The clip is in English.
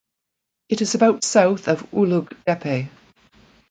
It is about south of Ulug Depe.